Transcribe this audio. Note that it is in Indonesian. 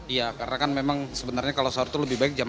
iya karena kan memang sebenarnya kalau sahur itu lebih baik jam empat